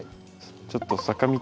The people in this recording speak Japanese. ちょっと坂道。